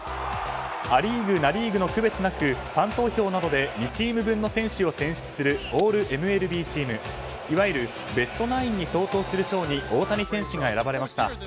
ア・リーグ、ナ・リーグの区別なく、ファン投票などで２チーム分の選手を選出するオールＭＬＢチームいわゆるベスト９に相当する賞に大谷選手が選ばれました。